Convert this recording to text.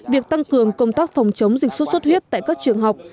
việc tăng cường công tác phòng chống dịch xuất xuất huyết tại các trường học